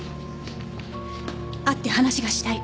会って話がしたい。